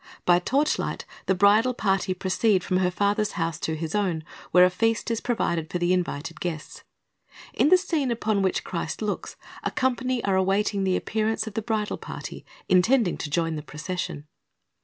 By torchlight the bridal party proceed from her father's house to his own, where a feast is provided for the invited guests. In the scene upon which Christ looks, a company are awaiting the appearance of the bridal party intending to join the procession.